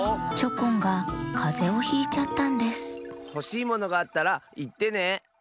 チョコンがかぜをひいちゃったんですほしいものがあったらいってね。